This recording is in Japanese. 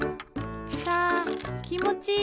サきもちいい！